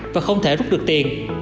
để rút được tiền